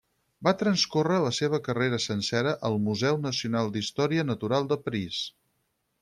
Va transcórrer la seva carrera sencera al Museu Nacional d'Història Natural de París.